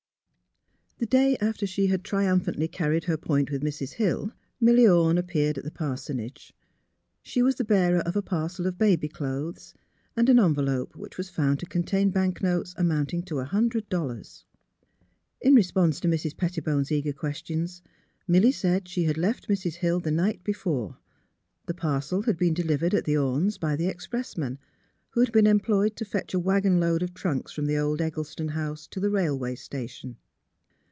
The day after she had triumphantly carried her point with Mrs. Hill, Milly Orne appeared at the parsonage. She was the bearer of a parcel of baby clothes and an envelope which was found to contain bank notes amounting to a hundred dollars. In response to Mrs. Pettibone 's eager questions, Milly said she had left Mrs. Hill the night be fore. The parcel had been delivered at the Ornes' by the expressman, who had been employed to fetch a wagon load of trunks from the old Eggle ston house to the railway station.